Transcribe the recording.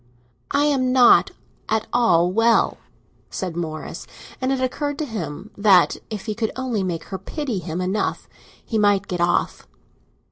"I am not at all well," said Morris; and it occurred to him that, if he could only make her pity him enough, he might get off.